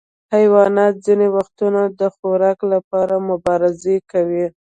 حیوانات ځینې وختونه د خوراک لپاره مبارزه کوي.